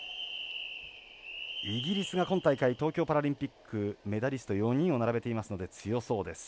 イギリスが今大会東京パラリンピックメダリスト４人を並べていますので強そうです。